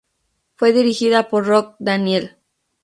Fue dirigida por Rod Daniel.